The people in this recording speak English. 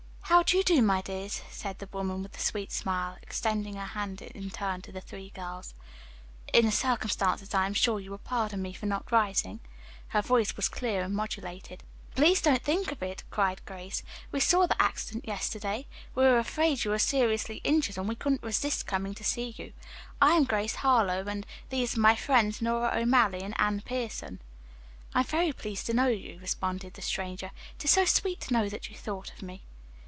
"How do you do, my dears," said the woman with a sweet smile, extending her hand in turn to the three girls. "Under the circumstances I am sure you will pardon me for not rising." Her voice was clear and well modulated. "Please don't think of it," cried Grace. "We saw the accident yesterday. We were afraid you were seriously injured, and we couldn't resist coming to see you. I am Grace Harlowe, and these are my friends Nora O'Malley and Anne Pierson." "I am very pleased to know you," responded the stranger. "It is so sweet to know that you thought of me."